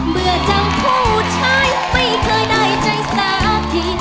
เบื่อจำพูดชายไม่เคยได้ใจสาธิ